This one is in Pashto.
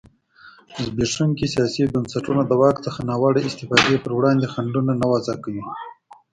زبېښونکي سیاسي بنسټونه د واک څخه ناوړه استفادې پر وړاندې خنډونه نه وضعه کوي.